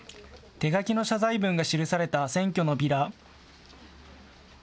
手書きの謝罪文が記された選挙のビラ。